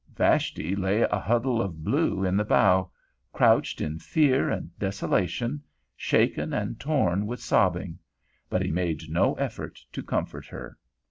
Vashti lay a huddle of blue in the bow, crouched in fear and desolation, shaken and torn with sobbing; but he made no effort to comfort her.